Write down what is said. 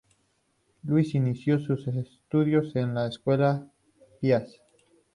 Luis inició sus estudios en las Escuelas Pías.